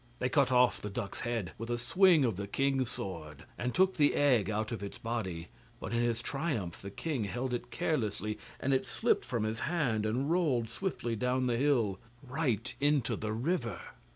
They cut off the duck's head with a swing of the king's sword, and took the egg out of its body, but in his triumph the king held it carelessly, and it slipped from his hand, and rolled swiftly down the hill right into the river.